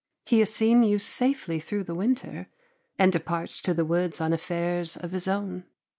He has seen you safely through the winter, and departs to the woods on affairs of his own.